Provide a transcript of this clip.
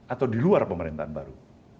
atau di luar pemerintahan baru